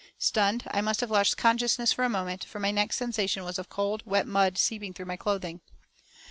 Stunned, I must have lost consciousness for a moment, for my next sensation was of cold, wet mud seeping through my clothing.